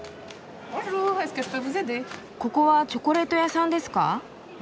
ここはチョコレート屋さんですか？